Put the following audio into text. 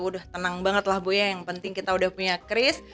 udah tenang banget lah bu ya yang penting kita udah punya kris